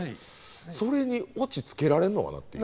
それにオチつけられんのかなっていう。